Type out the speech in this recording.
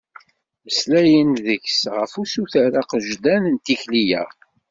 Mmeslayen-d deg-s ɣef usuter agejdan n tikli-a.